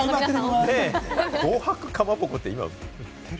紅白かまぼこって今売ってる？